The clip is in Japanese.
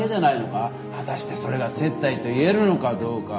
果たしてそれが接待と言えるのかどうか。